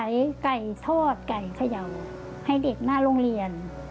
ไก่ทอดไก่เขย่าให้เด็กหน้าโรงเรียน